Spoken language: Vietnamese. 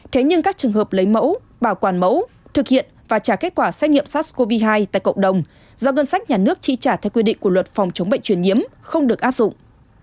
thế nhưng các trường hợp lấy mẫu bảo quản mẫu thực hiện và trả kết quả xét nghiệm sars cov hai tại cộng đồng do ngân sách nhà nước chi trả theo quy định của luật phòng chống bệnh truyền nhiễm không được áp dụng